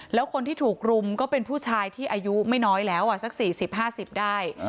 แล้วคนที่ถูกรุมก็เป็นผู้ชายที่อายุไม่น้อยแล้วอ่ะสักสี่สิบห้าสิบได้